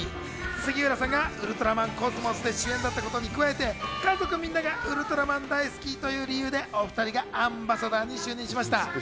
杉浦さんが『ウルトラマンコスモス』で主演だったことに加えて、家族みんなが『ウルトラマン』大好きという理由でお２人がアンバサダーに就任しました。